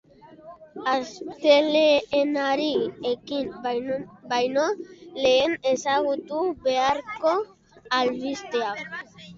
Astelehenari ekin baino lehen ezagutu beharreko albisteak.